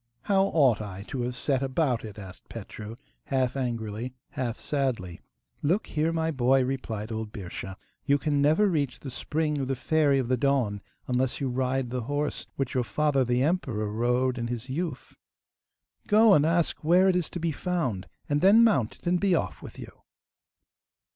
'How ought I to have set about it?' asked Petru, half angrily, half sadly. 'Look here, my boy,' replied old Birscha. 'You can never reach the spring of the Fairy of the Dawn unless you ride the horse which your father, the emperor, rode in his youth. Go and ask where it is to be found, and then mount it and be off with you.